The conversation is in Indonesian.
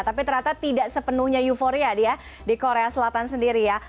tapi ternyata tidak sepenuhnya euforia dia di korea selatan sendiri ya